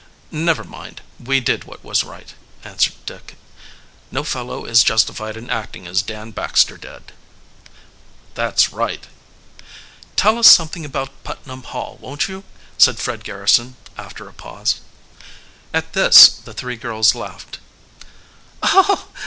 "Never mind; we did what was right," answered Dick. "No fellow is justified in acting as Dan Baxter did." "That's right." "Tell us something about Putnam Hall, won't you?" said Fred Garrison, after a pause. At this the three girls laughed.